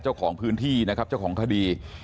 เจ้าของพื้นที่นะครับเจ้าของคดี